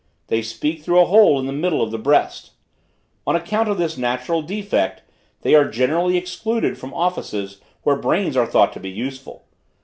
They speak through a hole in the middle of the breast. On account of this natural defect, they are generally excluded from offices where brains are thought to be useful.